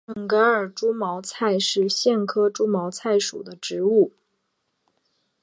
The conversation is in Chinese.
准噶尔猪毛菜是苋科猪毛菜属的植物。